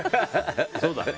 そうだね。